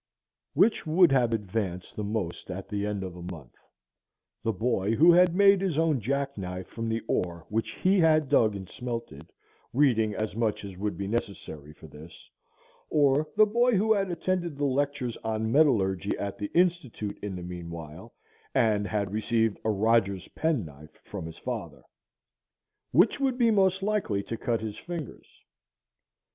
Which would have advanced the most at the end of a month,—the boy who had made his own jackknife from the ore which he had dug and smelted, reading as much as would be necessary for this,—or the boy who had attended the lectures on metallurgy at the Institute in the mean while, and had received a Rodgers' penknife from his father? Which would be most likely to cut his fingers?...